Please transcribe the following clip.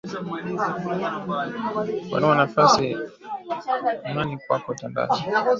Panua nafasi imani mwako Tandaza